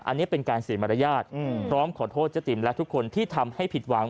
อันนี้เป็นการสื่อมารยาทพร้อมขอโทษเจ๊ติ๋มและทุกคนที่ทำให้ผิดหวัง